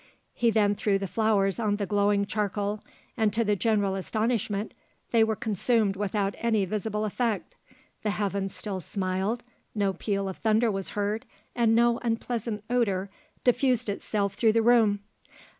He then threw the flowers on the glowing charcoal, and to the general astonishment they were consumed without any visible effect: the heavens still smiled, no peal of thunder was heard, and no unpleasant odour diffused itself through the room.